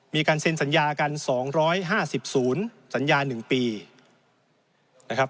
มีการเซ็นสัญญากันสองร้อยห้าสิบศูนย์สัญญาหนึ่งปีนะครับ